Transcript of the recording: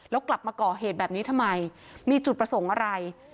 แล้วกลับมาก่อเหตุแบบนี้ทำไมมีจุดประสงค์อะไร